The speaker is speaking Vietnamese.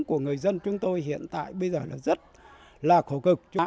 của người dân chúng tôi hiện tại bây giờ là rất là khổ cực